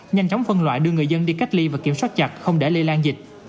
nhanh chóng phân loại đưa người dân đi cách ly và kiểm soát chặt không để lây lan dịch